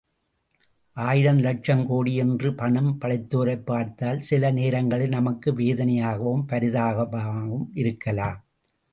ஆயிரம், லட்சம், கோடி என்று பணம் படைத்தோரைப் பார்த்தால் சில நேரங்களில் நமக்கு வேதனையாகவும், பரிதாபமாகவும் இருக்கலாம்.